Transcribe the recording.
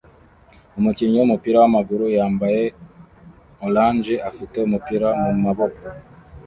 Umukinnyi wumupira wamaguru yambaye orange afite umupira mumaboko